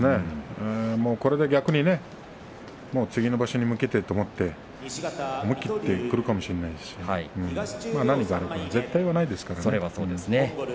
これで逆にね次の場所に向けてと思って思い切ってくるかもしれないし波があるから絶対はないですからね。